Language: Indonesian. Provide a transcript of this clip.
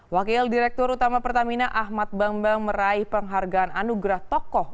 wakil direktur utama pertamina ahmad bambang meraih penghargaan anugerah tokoh